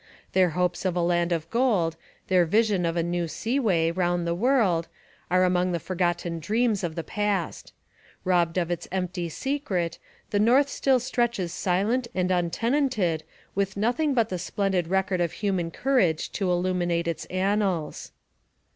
Their hopes of a land of gold, their vision of a new sea way round the world, are among the forgotten dreams of the past. Robbed of its empty secret, the North still stretches silent and untenanted with nothing but the splendid record of human courage to illuminate its annals.